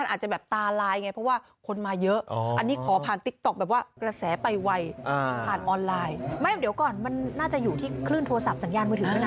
นั่นมันเป็นประตูที่คลื่นโทรศัพท์เจังแยร์เบือถลือกี้นะ